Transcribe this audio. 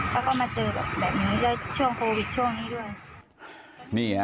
แล้วก็มาเจอแบบนี้แล้วช่วงโควิดช่วงนี้ด้วย